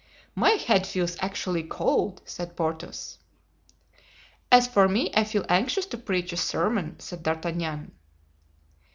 "My head feels actually cold," said Porthos. "As for me, I feel anxious to preach a sermon," said D'Artagnan.